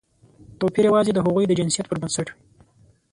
توپیر یوازې د هغوی د جنسیت پر بنسټ وي.